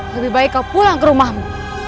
lebih baik kau pulang ke rumahmu